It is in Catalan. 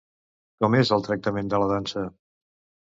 Com és el tancament de la dansa?